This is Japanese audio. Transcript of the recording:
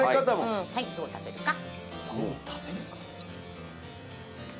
はいどう食べるか？